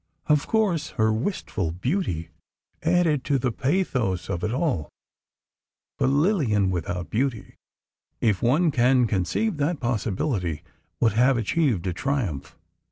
Of course, her wistful beauty added to the pathos of it all, but Lillian without beauty—if one can conceive that possibility—would have achieved a triumph.